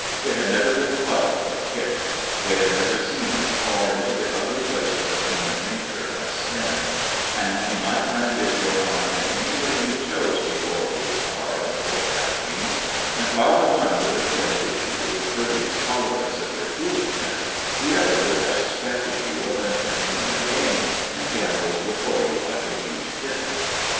They had never been clubbed or kicked; they had never seen as far into the ugly places of human nature as Finn; and you might brandish your arms in any way you chose before old Tara or Kathleen, and, while the one would have blinked at you with courteous tolerance of your foolishness, the other would have suspected you of inventing a new game, and gambolled before you like a huge kitten.